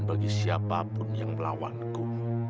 bagi siapapun yang melawanku